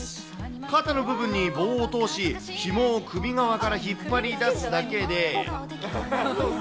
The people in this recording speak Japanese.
肩の部分に棒を通し、ひもを首側から引っ張り出すだけで。